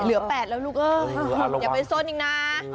เหลือ๘แล้วลูกเอ้ยอย่าไปส้นอีกนะ